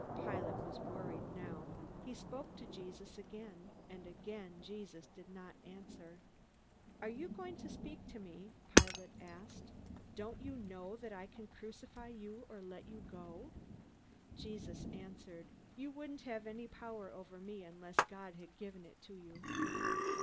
Pilate was worried now. He spoke to Jesus again, and again Jesus did not answer. "Aren't you going to speak to me?" Pilate asked. "Don't you know that I can crucify you or let you go?" Jesus answered, "You wouldn't have any power over me unless God had given it to you."